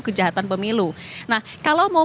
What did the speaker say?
kejahatan pemilu nah kalau mau